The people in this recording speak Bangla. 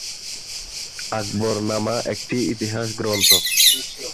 আকবরনামা একটি ইতিহাস গ্রন্থ।